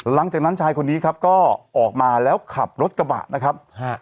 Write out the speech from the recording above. หลังจากนั้นชายคนนี้ครับก็ออกมาแล้วขับรถกระบะนะครับ